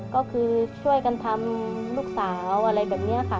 ก็คือช่วยกันทำลูกสาวอะไรแบบนี้ค่ะ